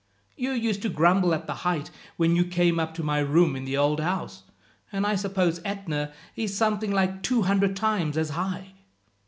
You used to grumble at the height when you came up to my room in the old house, and I suppose Etna is something like two hundred times as high."